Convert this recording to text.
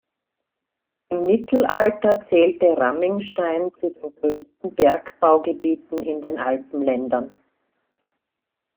Im Mittelalter zählte Ramingstein zu den größten Bergbaugebieten in den Alpenländern.